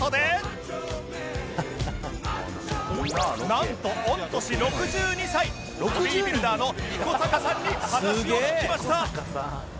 なんと御年６２歳ボディビルダーの彦坂さんに話を聞きました